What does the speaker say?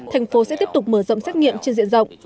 thành phố sẽ tiếp tục mở rộng xét nghiệm trên diện rộng